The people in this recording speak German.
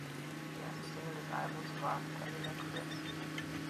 Die erste Single des Albums war „Cadillac Dress“.